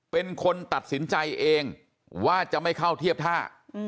เป็นคนตัดสินใจเองว่าจะไม่เข้าเทียบท่า